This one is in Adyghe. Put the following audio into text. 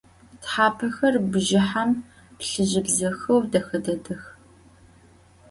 Thapexer bjjıhem plhıjıbzexeu dexe dedex.